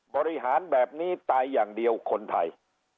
บริหารแบบนี้ตายอย่างเดียวคนไทย